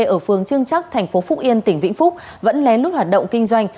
ở phường trương trắc tp phúc yên tỉnh vĩnh phúc vẫn lén lút hoạt động kinh doanh